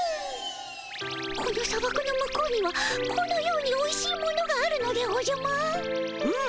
この砂漠の向こうにはこのようにおいしいものがあるのでおじゃマーン？